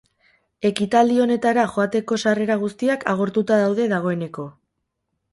Ekitaldi honetara joateko sarrera guztiak agortuta daude dagoeneko.